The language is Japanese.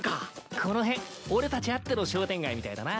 この辺俺たちあっての商店街みたいだな。